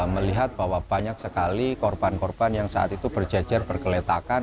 melihat bahwa banyak sekali korban korban yang saat itu berjejer bergeletakan